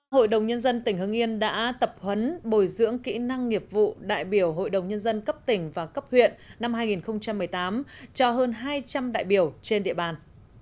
hội đồng nhân dân tỉnh hưng yên đã tập huấn bồi dưỡng kỹ năng nghiệp vụ đại biểu hội đồng nhân dân cấp tỉnh và cấp huyện năm hai nghìn một mươi tám cho hơn hai trăm linh đại biểu trên địa bàn